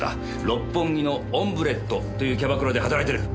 六本木のオンブレットというキャバクラで働いてる。